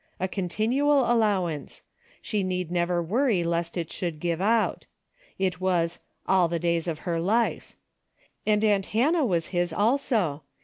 A con tinual allowance : she need never worry lest it should give out. It was " all the days of her life." And aunt Hannah was his also.